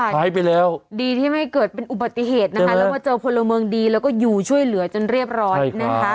หายไปแล้วดีที่ไม่เกิดเป็นอุบัติเหตุนะคะแล้วมาเจอพลเมืองดีแล้วก็อยู่ช่วยเหลือจนเรียบร้อยนะคะ